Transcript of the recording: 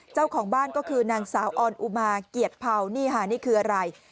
เจ้าของบ้านก็คือนางสาวออนอุมาเกียรติเผานี่ค่ะนี่คืออะไร